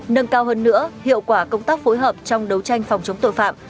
nâng cao hơn nữa hiệu quả công tác phối hợp trong đấu tranh phòng chống tội phạm